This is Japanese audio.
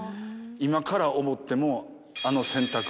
今から思っても。